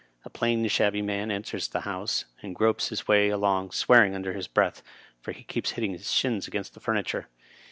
A plain, shabby man enters the House, and gropes his way along, swear ing under his breath, for he keeps hitting his shins against the furniture.